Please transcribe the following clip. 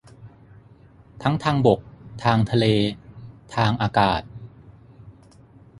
ทั้งทางบก ทางทะเล ทางอากาศ